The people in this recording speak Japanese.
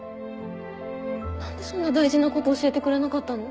何でそんな大事なこと教えてくれなかったの？